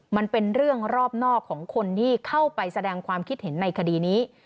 มันเป็นเรื่องรอบนอกของคนที่เข้าไปแสดงความคิดเห็นในคดีนี้